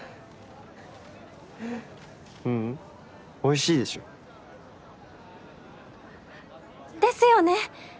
ううんおいしいでしょ。ですよね！